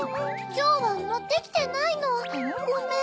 きょうはもってきてないのごめん。